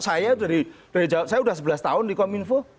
saya dari saya sudah sebelas tahun di kominfo